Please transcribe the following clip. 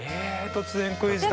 突然クイズだ。